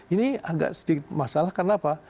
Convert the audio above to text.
ini agak sedikit masalah kenapa